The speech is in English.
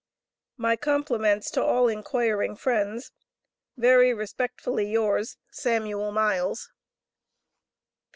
My compliments to all enquiring friends. Very respectfully yours, SAMUEL MILES.